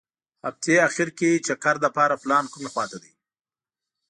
هغتې اخیر کې چکر دپاره پلان کومې خوا ته دي.